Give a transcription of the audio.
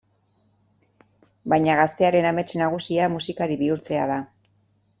Baina gaztearen amets nagusia musikari bihurtzea da.